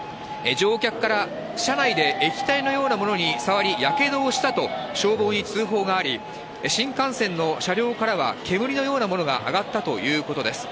乗客から車内で液体のようなものに触りやけどをしたと消防に通報があり、新幹線の車両からは煙のようなものが上がったということです。